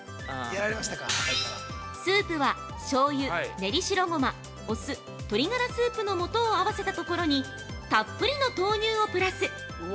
◆スープは、しょうゆ、ねり白ごま、お酢鶏ガラスープの素を合わせたところに、たっぷりの豆乳をプラス！